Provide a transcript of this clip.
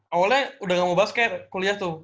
awalnya udah gak mau basket kuliah tuh